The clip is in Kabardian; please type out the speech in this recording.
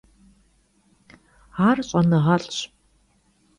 Ar ş'enığelh'ş.